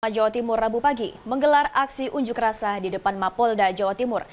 jawa timur rabu pagi menggelar aksi unjuk rasa di depan mapolda jawa timur